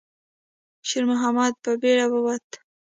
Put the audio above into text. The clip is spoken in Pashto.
شېرمحمد په بیړه ووت.